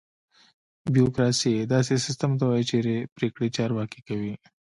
بیوروکراسي: داسې سیستم ته وایي چېرې پرېکړې چارواکي کوي.